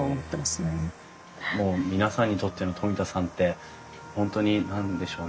もう皆さんにとっての冨田さんって本当に何でしょうね